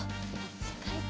しっかりと。